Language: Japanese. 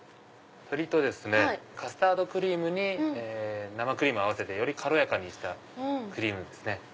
鶏とカスタードクリームに生クリームを合わせてより軽やかにしたクリームですね。